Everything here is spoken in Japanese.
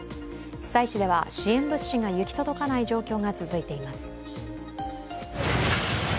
被災地では支援物資が行き届かない状況が続いています。